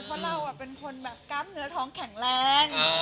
เพราะเราเป็นคนแบบกล้ามเนื้อท้องแข็งแรง